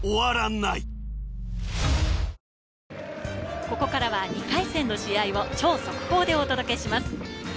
ここからは２回戦の試合を超速報でお届けします。